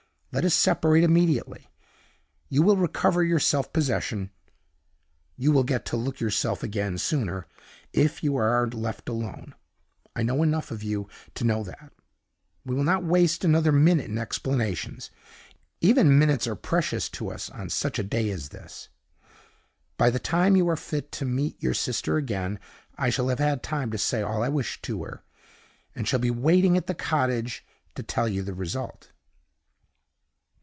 Let us separate immediately. You will recover your self possession you will get to look yourself again sooner if you are left alone. I know enough of you to know that. We will not waste another minute in explanations; even minutes are precious to us on such a day as this. By the time you are fit to meet your sister again, I shall have had time to say all I wish to her, and shall be waiting at the cottage to tell you the result."